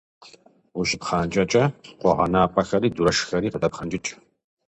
Ущыпхъанкӏэкӏэ, къуэгъэнапӏэхэри дурэшхэри къыдэпхъэнкӏыкӏ.